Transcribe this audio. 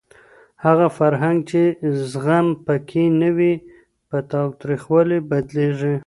هغه فرهنګ چي زغم په کي نه وي په تاوتريخوالي بدليږي.